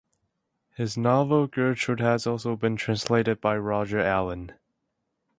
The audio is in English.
His novel "Gertrude" has also been translated by Roger Allen.